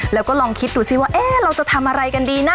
แล้วก็ลองคิดดูสิว่าเราจะทำอะไรกันดีนะ